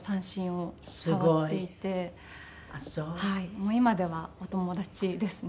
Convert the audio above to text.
もう今ではお友達ですね。